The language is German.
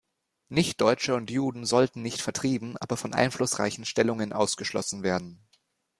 Nichtdeutsche und Juden sollten nicht vertrieben, aber von einflussreichen Stellungen ausgeschlossen werden.